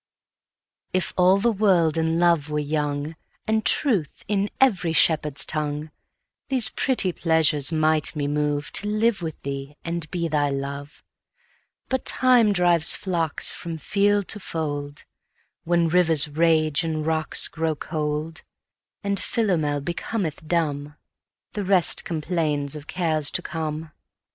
F all the world and love were young, And truth in every shepherd's tongue, These pretty pleasures might me move To live with thee and be thy love. Time drives the flocks from field to fold, When rivers rage and rocks grow cold; And Philomel becometh dumb; The rest complains of cares to come.